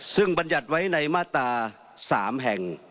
ซึ่งบรรยัติไว้ในมาตรา๓แห่ง